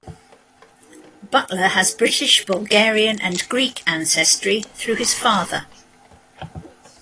Butler has British, Bulgarian, and Greek ancestry through his father.